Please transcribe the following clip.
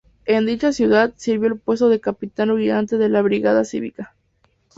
En dicha ciudad sirvió el puesto de capitán ayudante de la brigada cívica.